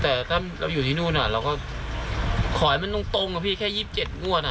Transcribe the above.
แต่ถ้าเราอยู่ที่นู่นเราก็ขอให้มันตรงกับพี่แค่๒๗งวด